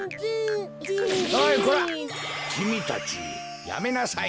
おいこらきみたちやめなさい！